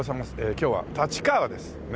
今日は立川ですね。